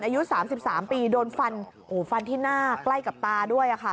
อายุ๓๓ปีโดนฟันฟันที่หน้าใกล้กับตาด้วย